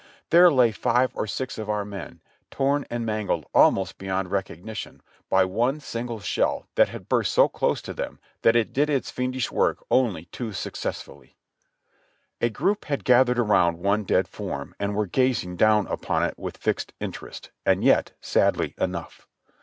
There lay five or six of our men, torn and mangled almost beyond recognition by one single shell that had burst so close to them that it did its fiendish work only too successfully. A group had gathered around one dead form, and were gazing down upon it with fixed interest, and yet sadly enough.